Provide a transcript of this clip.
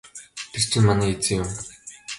Тэр чинь манай эзэн юм.